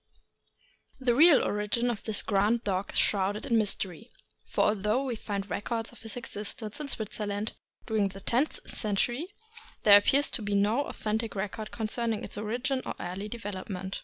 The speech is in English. >HE real origin of this grand dog is shrouded in mys tery, for although we find records of his existence in Switzerland during the tenth century, there appears to be no authentic record concerning its origin or early development.